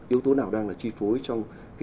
yếu tố nào đang là chi phối trong